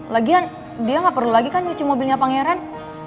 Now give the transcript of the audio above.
lagian dia nggak perlu lagi kan nyuci mobilnya pangeran